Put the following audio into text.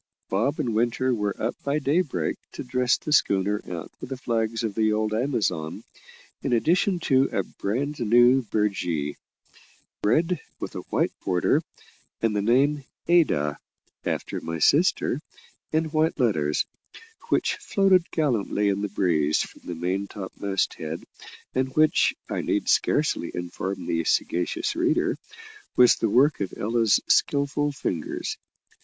Bob and Winter were up by daybreak to dress the schooner out with the flags of the old Amazon, in addition to a bran new burgee red, with a white border, and the name Ada, after my sister, in white letters which floated gallantly in the breeze from the main topmast head, and which, I need scarcely inform the sagacious reader, was the work of Ella's skilful fingers.